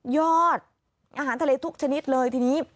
อาหารทะเลทุกชนิดเลยทีนี้